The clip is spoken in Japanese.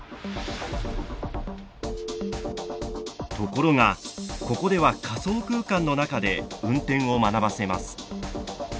ところがここでは仮想空間の中で運転を学ばせます。